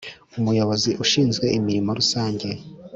Umuyobozi ushinzwe Imirimo Rusange